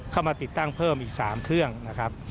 เข้ามาติดตั้งเพิ่มอีก๓เครื่องนะครับ